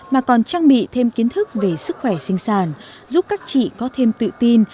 mà còn trang bị thêm kiến thức về sức khỏe sinh sản giúp các chị có thêm tự tin